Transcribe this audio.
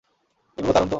এগুলো দারুন তো।